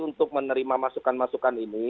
untuk menerima masukan masukan ini